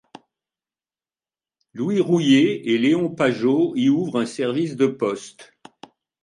Louis Rouillé et Leon Pajot y ouvrent un service de Poste.